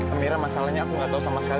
amira masalahnya aku gak tau sama sekali